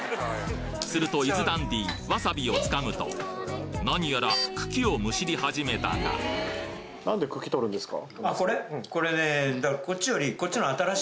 すると伊豆ダンディーわさびを掴むとなにやら茎をむしり始めたがあそうなんですか？